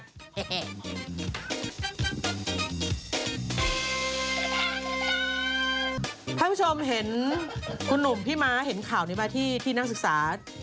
คุณผู้ชมเห็นคุณหนุ่มพี่ม้าเห็นข่าวนี้มาที่นักศึกษา